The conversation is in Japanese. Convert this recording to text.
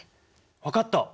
分かった！